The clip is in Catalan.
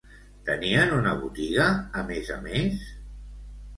Tenien una botiga, a més a més?